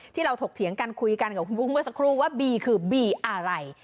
ถกเถียงกันคุยกันกับคุณบุ้งเมื่อสักครู่ว่าบีคือบีอะไร